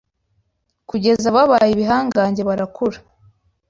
kugeza babaye ibihangange barakura